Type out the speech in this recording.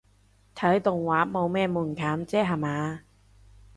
睇動畫冇咩門檻啫吓嘛